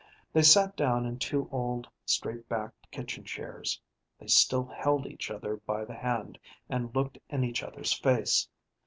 They sat down in two old straight backed kitchen chairs. They still held each other by the hand, and looked in each other's face.